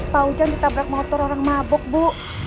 pak ujang ditabrak motor orang mabuk bu